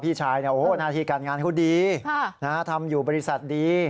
พี่ชายนาฬิการงานก็ดีทำอยู่บริษัทดี